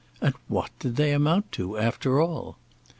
And what did they amount to, after all?